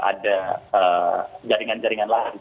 ada jaringan jaringan lain